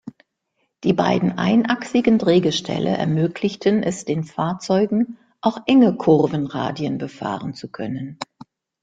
Die beiden einachsigen Drehgestelle ermöglichten es den Fahrzeugen, auch enge Kurvenradien befahren zu können.